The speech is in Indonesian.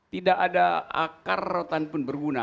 tidak ada akar rotan pun berguna